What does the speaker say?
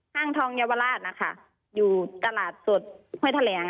ห้างทองเยาวราชอยู่ตลาดสุดเฮ้ยแถลง